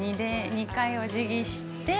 ２回おじぎして。